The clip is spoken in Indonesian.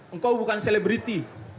engkau bukan selebriti